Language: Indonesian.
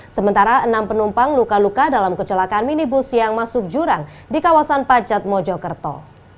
sementara enam penumpang luka luka dalam kecelakaan minibus yang masuk jurang di kawasan pacat mojokerto